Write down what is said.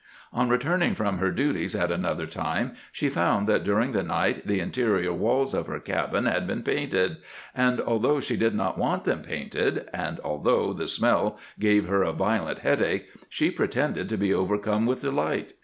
On returning from her duties at another time she found that during the night the interior walls of her cabin had been painted, and, although she did not want them painted and although the smell gave her a violent headache, she pretended to be overcome with delight.